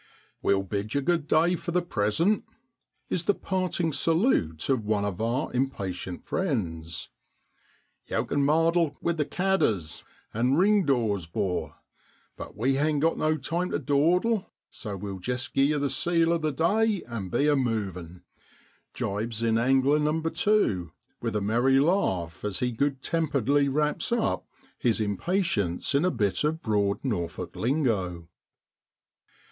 * We'll bid you good day for the present,' is the parting salute of one of our impatient friends :' Yow kin mardle (gossip) wi' the cadders (jackdaws) and ring dows, 'bor; but we hain't got no time to dawdle, so we'll jist gie ye the seal o' the day and be a moving,' jibes in angler number two with a merry laugh as he good temperedly wraps up his impatience in a bit of Broad Norfolk lingo.